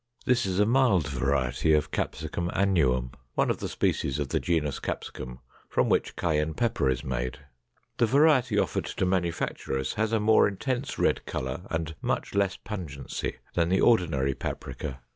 This is a mild variety of Capsicum annuum, one of the species of the genus Capsicum, from which cayenne pepper is made. The variety offered to manufacturers has a more intense red color and much less pungency than the ordinary paprika.